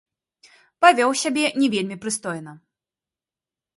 Павёў сябе не вельмі прыстойна.